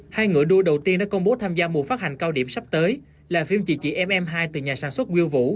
hai ngựa đua đầu tiên đã công bố tham gia mùa phát hành cao điểm sắp tới là phim chị chị m hai từ nhà sản xuất quyên vũ